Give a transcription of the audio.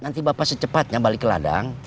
nanti bapak secepatnya balik ke ladang